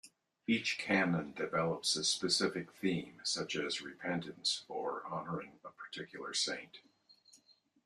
Each canon develops a specific theme, such as repentance or honouring a particular saint.